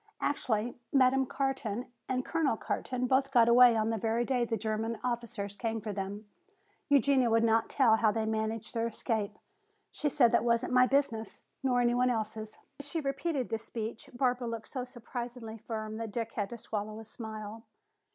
Actually Madame Carton and Colonel Carton both got away on the very day the German officers came for them. Eugenia would not tell how they managed their escape. She said that wasn't my business, nor any one else's." As she repeated this speech, Barbara looked so surprisingly firm that Dick had to swallow a smile.